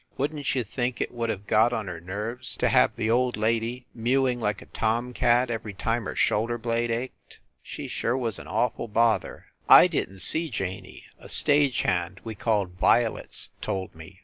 Wouldn t you think it would have got on her nerves to have the old lady mewing like a tomcat every time her shoulder blade ached? She sure was an awful bother. I didn t see Janey a stage hand we called "Violets" told me.